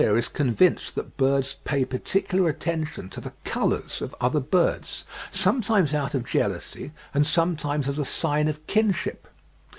Jenner Weir is convinced that birds pay particular attention to the colours of other birds, sometimes out of jealousy, and sometimes as a sign of kinship.